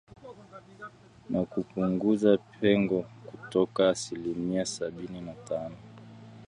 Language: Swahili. na kupunguza pengo kutoka asilimia sabini na tano